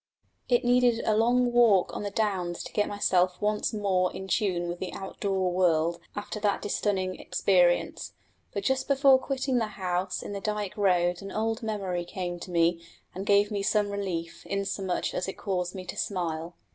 It needed a long walk on the downs to get myself once more in tune with the outdoor world after that distuning experience; but just before quitting the house in the Dyke Road an old memory came to me and gave me some relief, inasmuch as it caused me to smile.